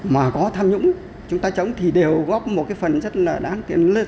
mà có tham nhũng chúng ta chống thì đều góp một phần rất là đáng tiếc